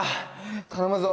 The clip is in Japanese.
頼むぞ！